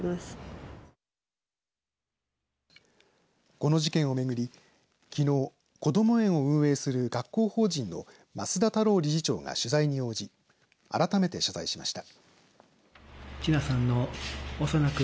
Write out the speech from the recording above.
この事件を巡りきのうこども園を運営する学校法人の増田多朗理事長が取材に応じ改めて謝罪しました。